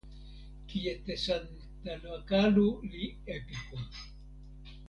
kijetesantakalu li epiku.